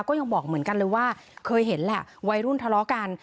ก็ยังบอกเหมือนกันเลยว่าเคยเห็นแหละวัยรุ่นทะเลาะกัน